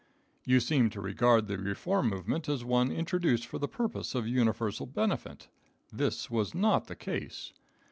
You seem to regard the reform movement as one introduced for the purpose of universal benefit. This was not the case.